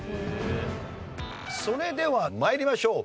それでは参りましょう。